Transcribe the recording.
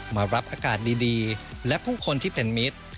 มารับอากาศดีและผู้คนที่เป็นมิตร